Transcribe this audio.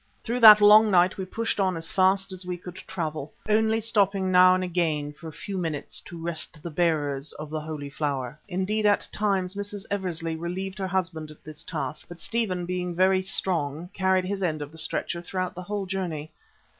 Through that long night we pushed on as fast as we could travel, only stopping now and again for a few minutes to rest the bearers of the Holy Flower. Indeed at times Mrs. Eversley relieved her husband at this task, but Stephen, being very strong, carried his end of the stretcher throughout the whole journey.